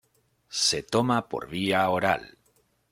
Se toma por vía oral.